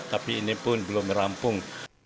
tapi ini pun belum rampung